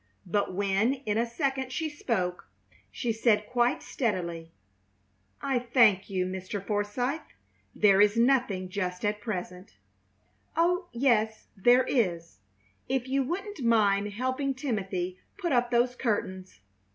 But when in a second she spoke, she said, quite steadily: "I thank you, Mr. Forsythe; there is nothing just at present or, yes, there is, if you wouldn't mind helping Timothy put up those curtains.